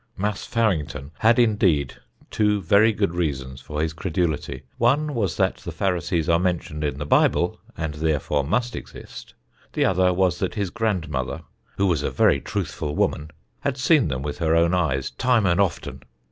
Mas' Fowington had, indeed, two very good reasons for his credulity. One was that the Pharisees are mentioned in the Bible and therefore must exist; the other was that his grandmother, "who was a very truthful woman," had seen them with her own eyes "time and often."